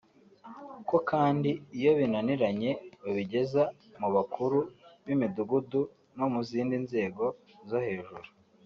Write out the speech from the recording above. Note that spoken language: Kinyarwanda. ko kandi iyo binaniranye babigeza mu bakuru b’imidugudu no mu zindi nzego zo hejuru